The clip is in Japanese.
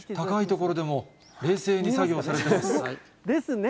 高い所でも冷静に作業されてですね。